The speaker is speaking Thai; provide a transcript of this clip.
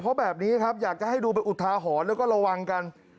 เพราะแบบนี้ครับอยากจะให้ดูเป็นอุทาหรณ์แล้วก็ระวังกัน